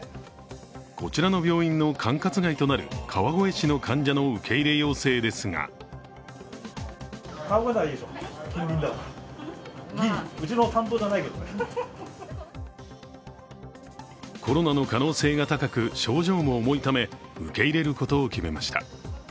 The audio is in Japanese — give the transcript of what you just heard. こちらの病院の管轄外となる川越市の患者の受け入れ要請ですがコロナの可能性が高く、症状も重いため、受け入れることを決めました。